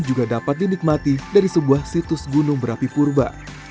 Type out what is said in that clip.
juga dapat dinikmati dari sebuah situs gunung berapi purba